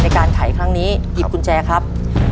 ในการไขครั้งนี้หยิบกุญแจครับ